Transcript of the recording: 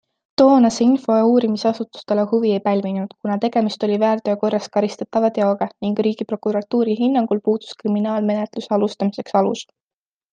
Toona see info uurimisasutuste huvi ei pälvinud, kuna tegemist oli väärteokorras karistatava teoga ning riigiprokuratuuri hinnangul puudus kriminaalmenetluse alustamiseks alus.